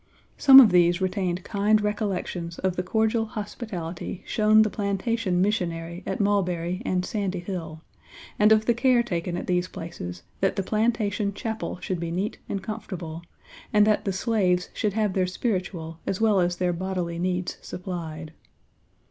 Some of these retained kind recollections of the cordial hospitality shown the plantation missionary at Mulberry and Sandy Hill, and of the care taken at these places that the plantation chapel should be neat and comfortable, and that the slaves should have their spiritual as well as their bodily needs supplied.